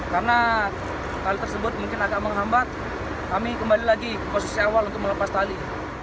karena hal tersebut mungkin agak menghambat kami kembali lagi ke posisi awal untuk melepas tali